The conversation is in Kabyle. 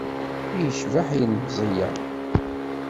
I yecbeḥ ilemẓi-a!